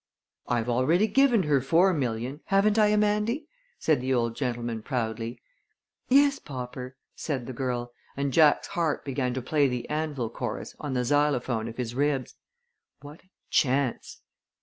"I've already given her four million, haven't I, Amandy?" said the old gentleman, proudly. "Yes, Popper," said the girl, and Jack's heart began to play the anvil chorus on the xylophone of his ribs. What a chance!